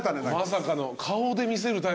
まさかの。